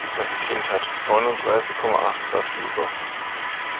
Das Kind hat Neunundreißig Komma Acht Grad Fieber.